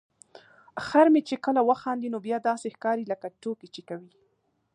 خر مې چې کله وخاندي نو بیا داسې ښکاري لکه ټوکې چې کوي.